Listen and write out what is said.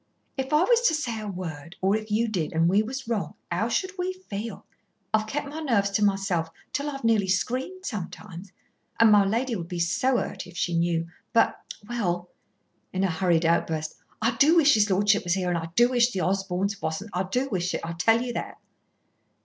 "If I was to say a word, or if you did, and we was wrong, how should we feel? I've kept my nerves to myself till I've nearly screamed sometimes. And my lady would be so hurt if she knew. But well," in a hurried outburst, "I do wish his lordship was here, and I do wish the Osborns wasn't. I do wish it, I tell you that."